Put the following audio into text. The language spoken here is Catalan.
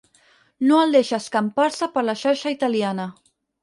No el deixa escampar-se per la xarxa italiana.